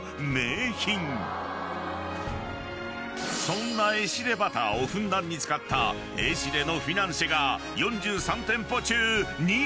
［そんなエシレバターをふんだんに使った「エシレ」のフィナンシェが］